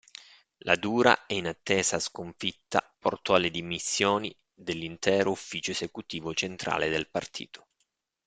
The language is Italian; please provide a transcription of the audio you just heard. La dura e inattesa sconfitta portò alle dimissioni dell'intero ufficio esecutivo centrale del partito.